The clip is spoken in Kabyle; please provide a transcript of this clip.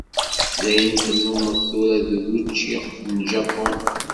Dayen tennumeḍ tura d wučči n Japun?